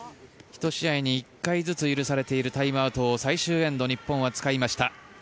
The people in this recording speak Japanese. １試合に１回ずつ許されているタイムアウトを日本は最終エンドに使いました。